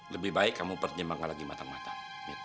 lebih baik kamu pertimbangkan lagi matang matang